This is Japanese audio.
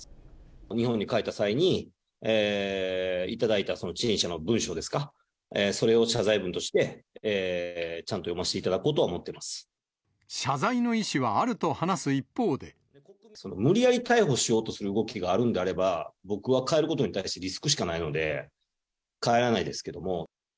日本に帰った際に、頂いたその陳謝の文章ですか、それを謝罪文として、ちゃんと読謝罪の意思はあると話す一方無理やり逮捕しようとする動きがあるんであれば、僕は帰ることに対してリスクしかないので、帰らないですけども。